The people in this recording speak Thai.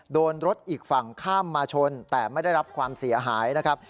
โดนรถอีกฝั่งข้ามมาชนแต่ไม่ได้รับความเสียหายนะครับ